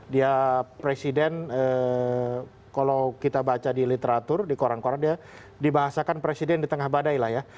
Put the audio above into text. dia presiden kalau kita baca di literatur di koran koran dia dibahasakan presiden di tengah badai lah ya